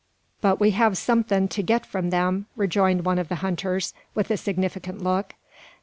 "But we have somethin' to git from them," rejoined one of the hunters, with a significant look.